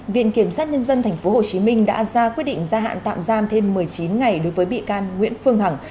viện kiểm sát nhân dân tp hcm đã ra quyết định gia hạn tạm giam thêm một mươi chín ngày đối với bị can nguyễn phương hằng